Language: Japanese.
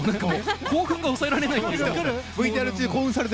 興奮が抑えられないです。